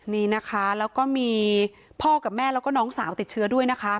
นี่นะคะแล้วก็มีพ่อกับแม่แล้วก็น้องสาวติดเชื้อด้วยนะคะ